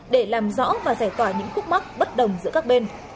để làm rõ và giải tỏa những khúc mắc bất đồng giữa các bên